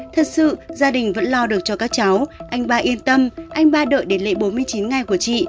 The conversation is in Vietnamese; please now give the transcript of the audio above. thật sự gia đình vẫn lo được cho các cháu anh ba yên tâm anh ba đợi đến lễ bốn mươi chín ngày của chị